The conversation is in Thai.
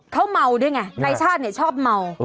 เขาเมาด้วยไงนายชาติเนี่ยชอบเมา